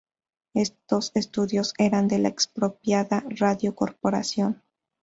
Estos estudios eran de la expropiada Radio Corporación.